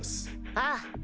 ああ。